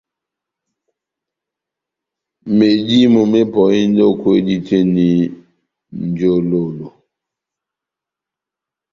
Medímo mepɔhindi o kwedi tɛh eni njololo